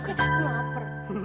karena aku lapar